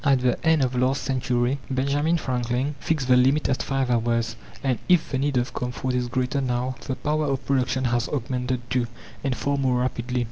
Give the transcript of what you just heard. At the end of last century, Benjamin Franklin fixed the limit at five hours; and if the need of comfort is greater now, the power of production has augmented too, and far more rapidly.